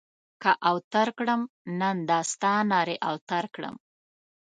که اوتر کړم؛ نن دا ستا نارې اوتر کړم.